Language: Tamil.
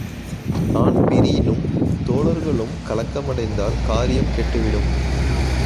தான்பிரீனும் தோழர்களும் கலக்கமடைந்தால், காரியம் கெட்டுவிடும்.